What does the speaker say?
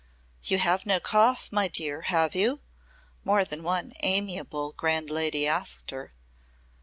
"You have no cough, my dear, have you?" more than one amiable grand lady asked her.